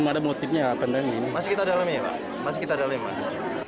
masih kita dalemi pak masih kita dalemi mas